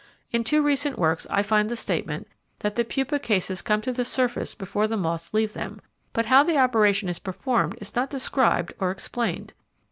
In two recent works I find the statement that the pupa cases come to the surface before the moths leave them, but how the operation is performed is not described or explained.